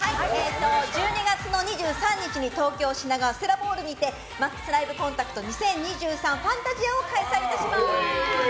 １２月２３日に東京・品川ステラボールにて「ＭＡＸＬＩＶＥＣＯＮＴＡＣＴ２０２３ＦＡＮＴＡＳＩＡ」を開催いたします。